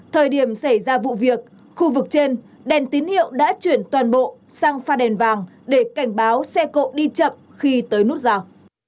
thời điểm xảy ra vụ việc khu vực trên đèn tín hiệu đã chuyển toàn bộ sang pha đèn vàng để cảnh báo xe cộ đi chậm khi tới nút rào